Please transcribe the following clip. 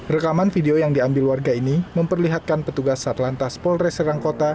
rekaman video yang diambil warga ini memperlihatkan petugas satlantas polres serang kota